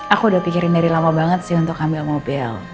aku udah pikirin dari lama banget sih untuk ambil mobil